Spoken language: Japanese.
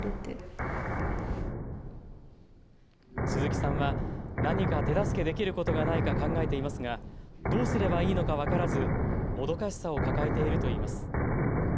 鈴木さんは何か手助けできることがないか考えていますがどうすればいいのか分からず、もどかしさを抱えているといいます。